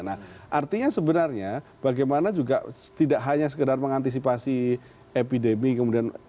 nah artinya sebenarnya bagaimana juga tidak hanya sekedar mengantisipasi epidemi kemudian